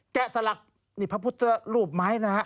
สลักนี่พระพุทธรูปไม้นะฮะ